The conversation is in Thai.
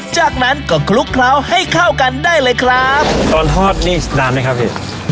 จากนั้นก็คลุกเคราะห์ให้เข้ากันได้เลยครับตอนทอดนี่น้ำได้ค่ะพี่